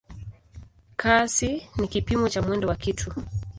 Kasi ni kipimo cha mwendo wa kitu.